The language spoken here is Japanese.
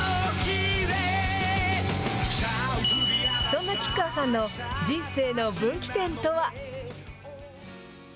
そんな吉川さんの人生の分岐点とは。